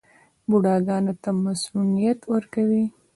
بوډاګانو ته مصوونیت ورکوي.